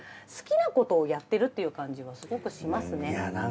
好きなことをやってるっていう感じがすごくしますね。